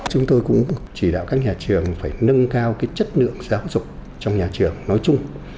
chúng tôi cũng chỉ đạo các nhà trường phải nâng cao chất lượng giáo dục trong nhà trường nói chung